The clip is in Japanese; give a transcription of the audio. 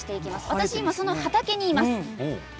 私は今この畑にいます。